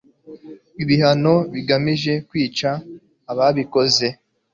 ibihano bigamije kwica ababikoze